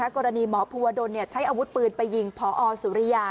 กรณีหมอภูวดลใช้อาวุธปืนไปยิงพอสุริยา